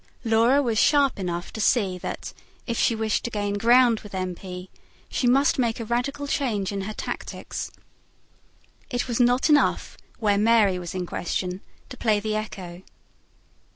Laura was sharp enough to see that, if she wished to gain ground with M. P. she must make a radical change in her tactics. It was not enough, where Mary was in question, to play the echo.